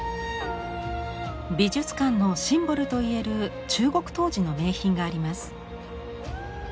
美術館のシンボルといえる中国陶磁の名品があります。